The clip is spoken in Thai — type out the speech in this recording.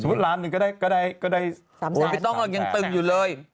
สมมุติล้านหนึ่งก็ได้ไม่ต้องแล้วยังตึงอยู่เลย